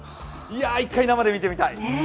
いや、１回、生で見てみたい。